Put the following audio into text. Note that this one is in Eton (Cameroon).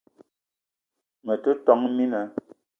Me te , tόn mina